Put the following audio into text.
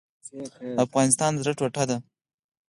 افغانستان د زړه ټوټه ده؟